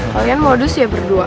kalian modus ya berdua